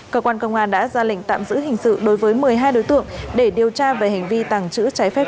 cơ quan công an đã ra lệnh tạm giữ hình sự đối với một mươi hai đối tượng để điều tra về hành vi tàng trữ trái phép